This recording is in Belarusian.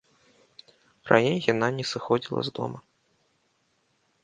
Раней яна не сыходзіла з дома.